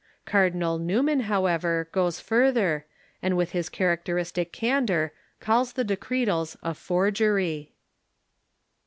Cardinal Newman, however, goes further, and with his characteristic candor calls the De cretals a " forgery."